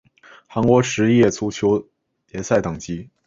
韩国职业足球联赛等级